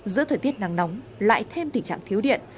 giữa thời tiết nắng nóng lại thêm tình trạng thiếu điện